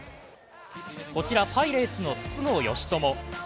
こちらパイレーツの筒香嘉智。